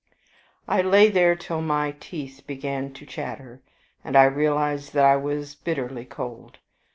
I lay there till my teeth began to chatter, and I realized that I was bitterly cold.